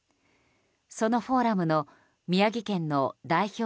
そのフォーラムの宮城県の代表